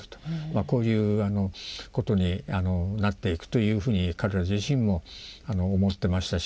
こういうことになっていくというふうに彼ら自身も思ってましたし。